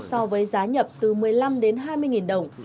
so với giá nhập từ một mươi năm đến hai mươi đồng